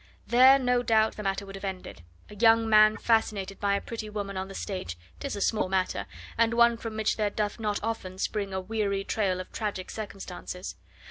There, no doubt, the matter would have ended: a young man fascinated by a pretty woman on the stage 'tis a small matter, and one from which there doth not often spring a weary trail of tragic circumstances.